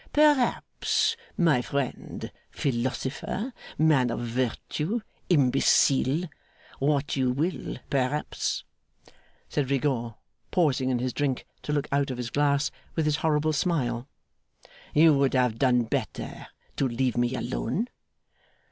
'Perhaps, my friend, philosopher, man of virtue, Imbecile, what you will; perhaps,' said Rigaud, pausing in his drink to look out of his glass with his horrible smile, 'you would have done better to leave me alone?